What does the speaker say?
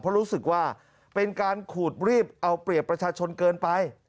เพราะรู้สึกว่าเป็นการขูดรีบเอาเปรียบประชาชนเกินไป